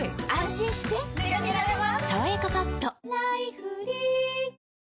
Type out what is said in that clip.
心してでかけられます